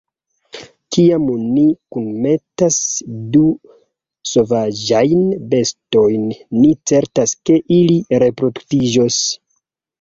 Kiam ni kunmetas du sovaĝajn bestojn, ni ne certas, ke ili reproduktiĝos.